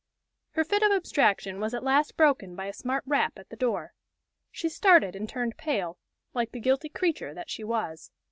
Her fit of abstraction was at last broken by a smart rap at the door. She started and turned pale, like the guilty creature that she was.